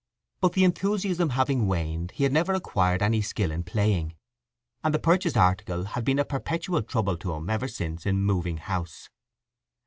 But the enthusiasm having waned he had never acquired any skill in playing, and the purchased article had been a perpetual trouble to him ever since in moving house.